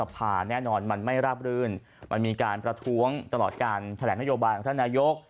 เป็นวันแรกของการแถลกนโยบาย